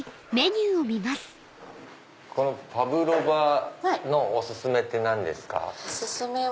パブロバのお薦めって何ですか？